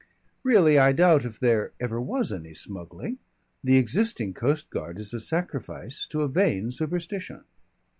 Really, I doubt if there ever was any smuggling. The existing coast guard is a sacrifice to a vain superstition."